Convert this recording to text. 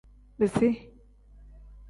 Bisi.